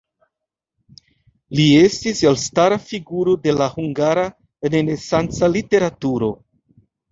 Li estis elstara figuro de la hungara renesanca literaturo.